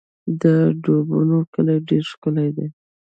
د ډبونو کلی ډېر ښکلی دی